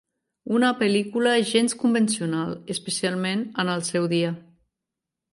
Una pel·lícula gens convencional, especialment en el seu dia.